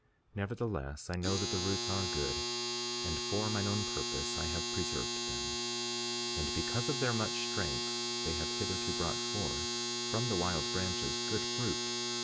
5:36 Nevertheless, I know that the roots are good, and for mine own purpose I have preserved them; and because of their much strength they have hitherto brought forth, from the wild branches, good fruit.